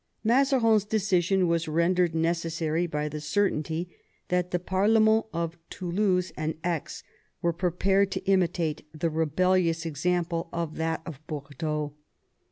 Mazarin's decision was rendered necessary by the cer tainty that the parlemmts of Toulouse and Aix were 84 MAZARIN chap. prepared to imitate the rebellious example of that of Bordeaux.